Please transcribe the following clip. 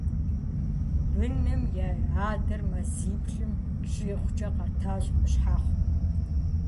Быным я адэр мазиплӀым щӀигъукӀэ къэтащ Къущхьэхъум.